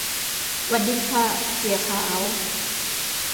หวัดดีค่ะเสี่ยขาว